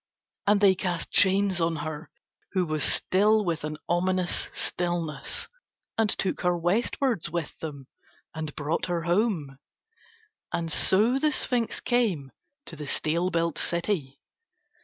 And they cast chains on her, who was still with an ominous stillness, and took her westwards with them and brought her home. And so the sphinx came to the steel built city.